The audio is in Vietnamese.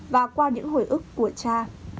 và qua những hồi ức của cha